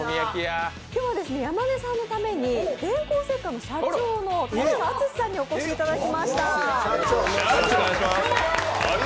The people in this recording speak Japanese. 今日は山根さんのために電光石火の社長の竹長篤史さんにお越しいただきました。